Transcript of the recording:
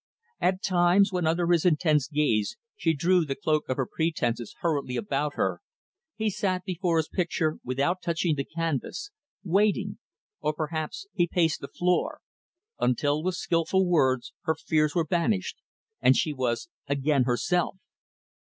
At times, when, under his intense gaze, she drew the cloak of her pretenses hurriedly about her, he sat before his picture without touching the canvas, waiting; or, perhaps, he paced the floor; until, with skillful words, her fears were banished and she was again herself.